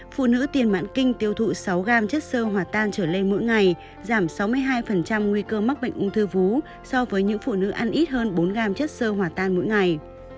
phụ nữ tiền mãn kinh tiêu thụ sáu gram chất sơ hỏa tan trở lên mỗi ngày giảm sáu mươi hai nguy cơ mắc bệnh ung thư vú so với những phụ nữ ăn ít hơn bốn g chất sơ hỏa tan mỗi ngày